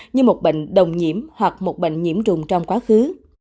như một bệnh đồng nhiễm hoặc một bệnh nhiễm trùng trong quá khứ